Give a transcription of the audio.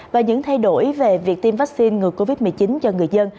và những thay đổi về việc tiêm vaccine ngừa covid một mươi chín cho người dân